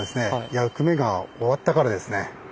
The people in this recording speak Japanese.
役目が終わったからですね。